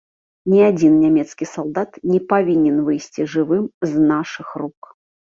Ні адзін нямецкі салдат не павінен выйсці жывым з нашых рук!